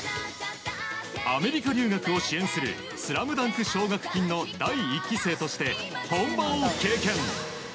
アメリカ留学を支援するスラムダンク奨学金の第１期生として本場を経験。